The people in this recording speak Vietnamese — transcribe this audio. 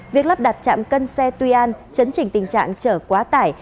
việc lắp đặt trạm cân xe tuy an chấn chỉnh tình trạng chở quá tải